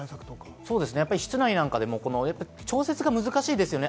室内なんかでも調節が難しいですよね。